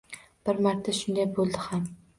Bir marta shunday bo‘ldi ham.